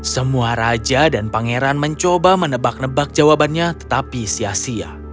semua raja dan pangeran mencoba menebak nebak jawabannya tetapi sia sia